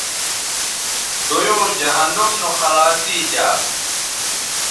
دویوں جہنم نو خلاصی دی یا